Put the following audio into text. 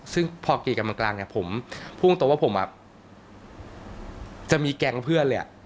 ซึ่งพอเกลียดกรรมกลางผมพูดตัวว่าผมจะมีแกล้งเพื่อนเลย